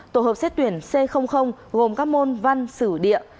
tổ hợp xét tuyển c gồm các môn văn sử địa